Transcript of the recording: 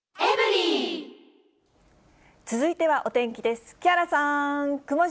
続いてはお天気です。